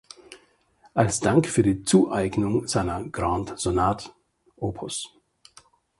Als Dank für die Zueignung seiner "Grande Sonate" op.